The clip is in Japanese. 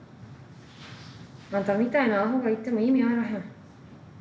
あんたみたいなアホが行っても意味あらへん。